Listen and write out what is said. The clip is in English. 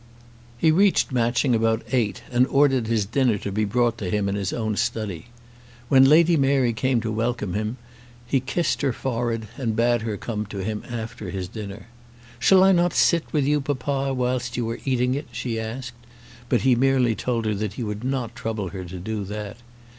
He reached Matching about eight, and ordered his dinner to be brought to him in his own study. When Lady Mary came to welcome him, he kissed her forehead and bade her come to him after his dinner. "Shall I not sit with you, papa, whilst you are eating it?" she asked; but he merely told her that he would not trouble her to do that.